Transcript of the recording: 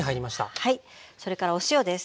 それからお塩です。